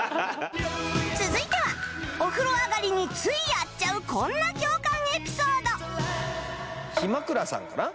続いてはお風呂上がりについやっちゃうこんな共感エピソードひまくらさんかな？